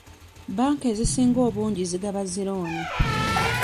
Bbanka ezisinga obungi zigaba zi looni.